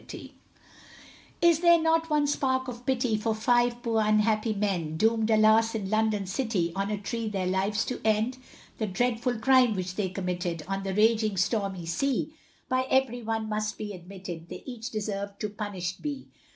COPY OF VERSES. Is there not one spark of pity, For five poor unhappy men, Doomed, alas! in London city, On a tree their lives to end? The dreadful crime which they committed, On the raging, stormy sea, By every one must be admitted, They each deserved to punished be.